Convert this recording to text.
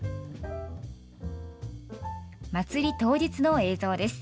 祭り当日の映像です。